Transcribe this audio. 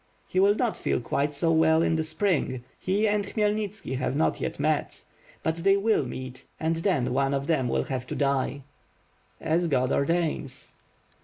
"He will not feel quite so well in the spring; he and Khmy elnitski have not met yet. But they wUl meet and then one of them will have to die." "As God ordains."